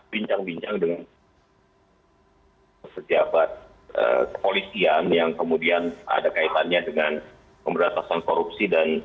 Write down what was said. bincang bincang dengan pejabat kepolisian yang kemudian ada kaitannya dengan pemberantasan korupsi dan